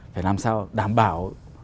phải làm sao đảm bảo